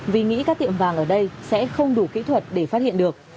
vì nghĩ các tiệm vàng ở đây sẽ không đủ kỹ thuật để phát hiện được